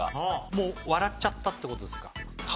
もう笑っちゃったってことですか？